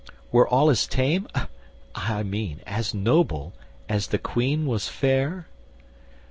were all as tame, I mean, as noble, as the Queen was fair?